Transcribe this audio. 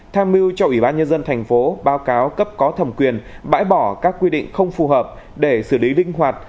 tham mưu cho ủy ban nhân dân thành phố báo cáo cấp có thẩm quyền bãi bỏ các quy định không phù hợp để xử lý linh hoạt